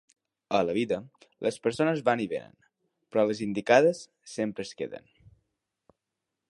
A la vida, les persones van i venen, però les indicades sempre es queden.